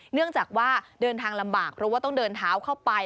เนื่องจากว่าเดินทางลำบากเพราะว่าต้องเดินเท้าเข้าไป